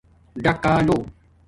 ڈکالُو